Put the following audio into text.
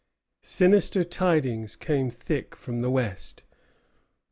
Sinister tidings came thick from the West.